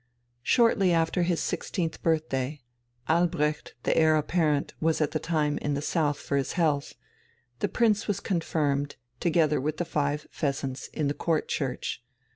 Shortly after his sixteenth birthday (Albrecht, the Heir Apparent, was at the time in the South for his health) the Prince was confirmed, together with the five "Pheasants," in the Court Church.